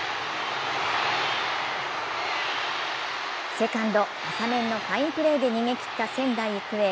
セカンド・浅面のファインプレーで逃げきった仙台育英。